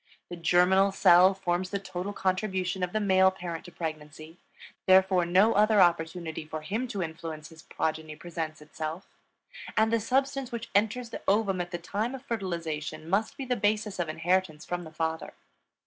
The germinal cell forms the total contribution of the male parent to pregnancy; therefore no other opportunity for him to influence his progeny presents itself, and the substance which enters the ovum at the time of fertilization must be the basis of inheritance from the father.